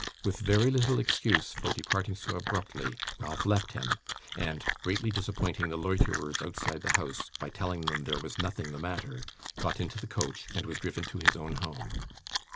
With very little excuse for departing so abruptly, Ralph left him, and, greatly disappointing the loiterers outside the house by telling them there was nothing the matter, got into the coach, and was driven to his own home.